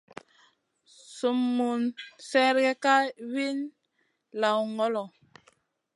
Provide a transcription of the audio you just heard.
Sum mun sergue Kay min lawn ngolo.